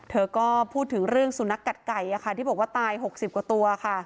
เธอก็พูดถึงเรื่องสุนัขกัดไก่ที่บอกว่าตาย๖๐กว่าตัวค่ะ